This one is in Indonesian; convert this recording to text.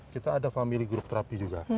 kita ada family group terapi juga